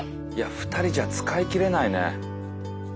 ２人じゃ使い切れないね。